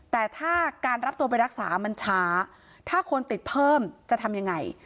แต่ถ้าการรับตัวไปรักษามันช้าถ้าคนติดเพิ่มจะทำยังไง